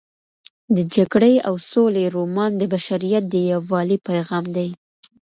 د جګړې او سولې رومان د بشریت د یووالي پیغام دی.